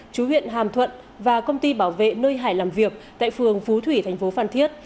chú huyện hàm thuận và công ty bảo vệ nơi hải làm việc tại phường phú thủy thành phố phan thiết